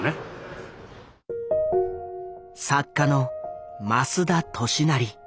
作家の増田俊也。